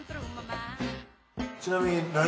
ちなみに。